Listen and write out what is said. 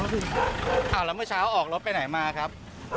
เหรอเหรอแล้วเมื่อเช้าออกรถไปไหนมาครับ